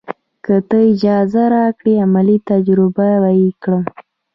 که تۀ اجازه راکړې عملي تجربه یې کړم.